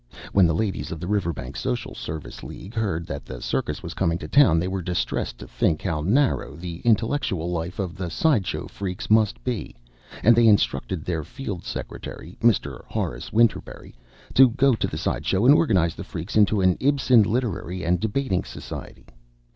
When the ladies of the Riverbank Social Service League heard that the circus was coming to town they were distressed to think how narrow the intellectual life of the side show freaks must be and they instructed their Field Secretary, Mr. Horace Winterberry, to go to the side show and organize the freaks into an Ibsen Literary and Debating Society.